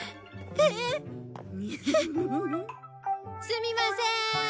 すみませーん！